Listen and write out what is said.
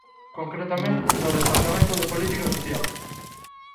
Concretamente no departamento de Política Social.